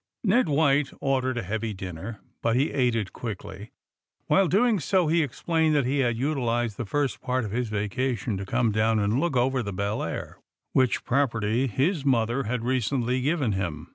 Ned White ordered a heavy dinner, but he ate it quickly. While doing so he explained that he had utilized the first part of his vacation to c^me down and look over the Belleair, which property his mother had recently given him.